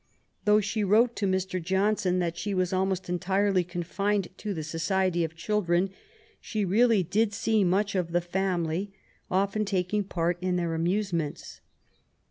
Though she wrote to Mr. Johnson that she was almost entirely confined to the society of children, she really did see much of the family, often taking part in their amusements.